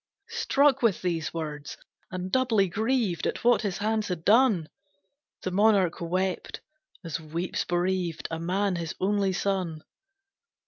Struck with these words, and doubly grieved At what his hands had done, The monarch wept, as weeps bereaved A man his only son.